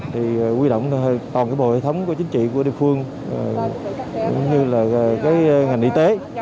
thì quy động toàn bộ hệ thống của chính trị của địa phương cũng như là cái ngành y tế